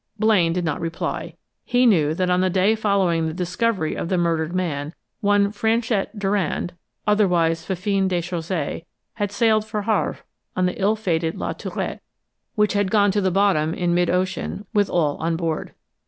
Blaine did not reply. He knew that on the day following the discovery of the murdered man, one Franchette Durand, otherwise Fifine Déchaussée, had sailed for Havre on the ill fated La Tourette, which had gone to the bottom in mid ocean, with all on board.